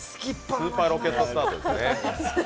スーパーロケットスタートですね。